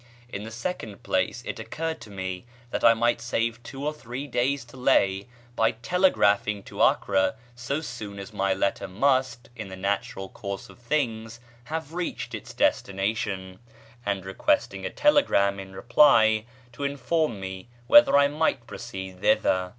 In the second place it occurred to me that I might save two or three days' delay by telegraphing to Acre so soon as my letter must, in the natural course of things, have reached its destination, and requesting a telegram in reply to inform me whether I might proceed thither.